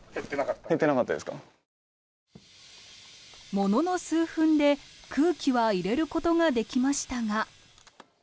ものの数分で空気は入れることができましたが。